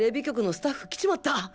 スタッフ来ちまった！